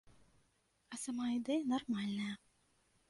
А сама ідэя нармальная.